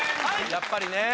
やっぱりねぇ。